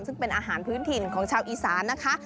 ซึ่งเป็นอาหารพื้นถิ่นของชาวอีสานนะคะ